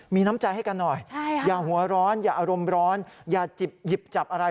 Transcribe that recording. มีน้ำใจให้กันหน่อยอย่าหัวร้อนอย่าอารมณ์ร้อนอย่าหยิบจับอะไร